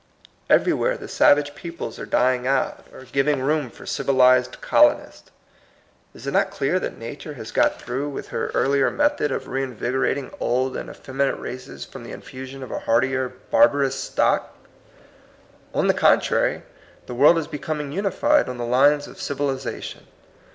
Everywhere the savage peoples are dying out, or giv ing room for civilized colonists. Is it not clear that Nature has got through with her 38 THE COMING PEOPLE. earlier method of reinvigorating old and effeminate races from the infusion of a hardier barbarous stock ? On the contrary, the world is becoming unified on the lines of civilization.